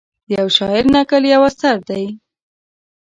د یوه شاعر نکل یو اثر دی.